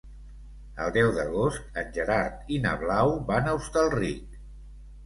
El deu d'agost en Gerard i na Blau van a Hostalric.